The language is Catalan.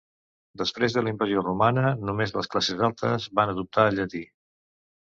Després de la invasió romana, només les classes altes van adoptar el llatí.